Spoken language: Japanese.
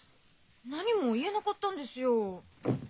何も言えなかったんですよ。